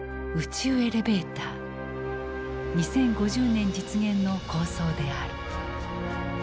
２０５０年実現の構想である。